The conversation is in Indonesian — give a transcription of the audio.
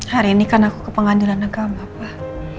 hari ini kan aku ke pengadilan agama pak